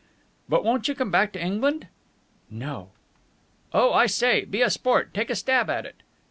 "But won't you come back to England?" "No." "Oh, I say! Be a sport! Take a stab at it!"